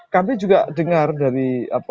kami juga dengar dari